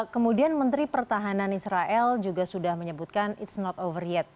kemudian menteri pertahanan israel juga sudah menyebutkan it s not over yet